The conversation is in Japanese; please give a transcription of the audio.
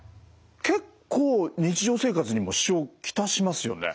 結構日常生活にも支障を来しますよね。